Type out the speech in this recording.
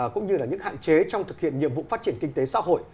cũng như là những hạn chế trong thực hiện nhiệm vụ phát triển kinh tế xã hội